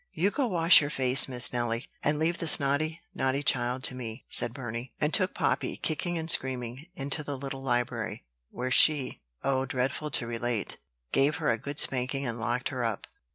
"You go wash your face, Miss Nelly, and leave this naughty, naughty child to me," said Burney; and took Poppy, kicking and screaming, into the little library, where she oh, dreadful to relate! gave her a good spanking, and locked her up.